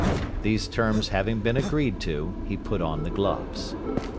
These terms having been agreed to, he put on the gloves.